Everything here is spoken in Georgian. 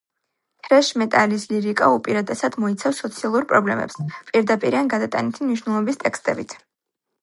თრეშ მეტალის ლირიკა უპირატესად მოიცავს სოციალურ პრობლემებს, პირდაპირი ან გადატანითი მნიშვნელობის ტექსტებით.